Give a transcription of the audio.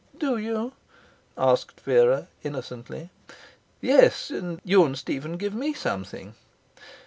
'Do you?' asked Vera, innocently. 'Yes, and you and Stephen give me something.'